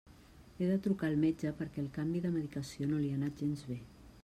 He de trucar al metge perquè el canvi de medicació no li ha anat gens bé.